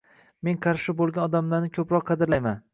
Men qarshi boʻlgan odamlarni koʻproq qadrlayman.